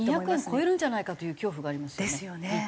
２００円超えるんじゃないかという恐怖がありますよね